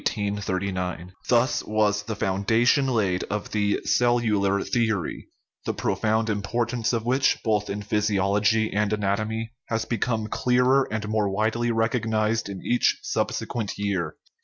47 THE RIDDLE OF THE UNIVERSE Thus was the foundation laid of the " cellular theory/' the profound importance of which, both in physiology and anatomy, has become clearer and more widely recognized in each subsequent year.